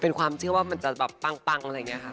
เป็นความเชื่อว่ามันจะแบบปังอะไรอย่างนี้ค่ะ